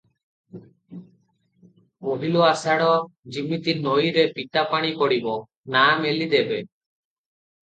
ପହିଲୁ ଆଷାଢ଼, ଯିମିତି ନଈରେ ପିତାପାଣି ପଡ଼ିବ, ନାଆ ମେଲି ଦେବେ ।